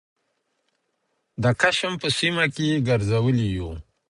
د کشم په سیمه کې یې ګرځولي یوو